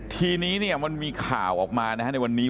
ทีนี้มันมีข่าวออกมานะฮะในวันนี้